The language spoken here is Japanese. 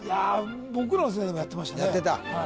僕らの世代でもやってましたねやってた？